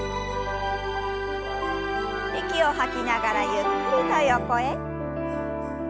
息を吐きながらゆっくりと横へ。